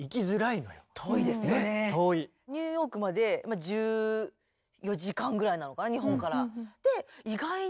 案外ニューヨークまで１４時間ぐらいなのかな日本から。